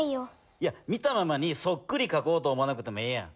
いや見たままにそっくりかこうと思わなくてもええやん。